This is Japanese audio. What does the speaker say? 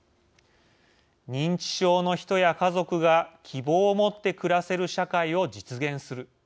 「認知症の人や家族が希望をもって暮らせる社会を実現する」